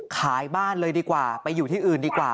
ขายบ้านเลยดีกว่าไปอยู่ที่อื่นดีกว่า